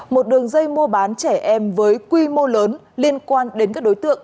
một đường dây mua bán trẻ em với quy mô lớn liên quan đến các đối tượng